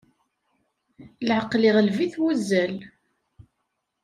Leɛqel iɣleb-it wuzzal.